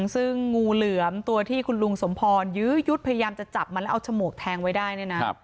ซึ่งงูเหลือมตัวที่คุณลุงสมพรยื้อยุดพยายามจะจับมันแล้วเอาฉมวกแทงไว้ได้เนี่ยนะ